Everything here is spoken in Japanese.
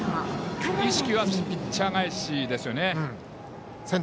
意識はピッチャー返しですね。